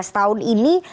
empat belas tahun ini